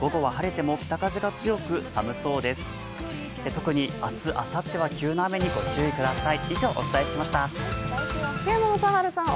特に明日、あさっては急な雨にご注意ください。